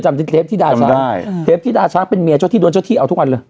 จำที่เทปที่ดาช้างเป็นเมียเจ้าที่โดนเจ้าที่เอาทุกวันหรือ